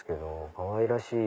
かわいらしい！